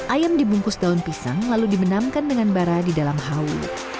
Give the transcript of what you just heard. ayam dibungkus daun pisang lalu dimenamkan dengan bara di dalam hau